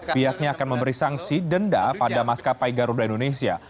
pihaknya akan memberi sanksi denda pada maskapai garuda indonesia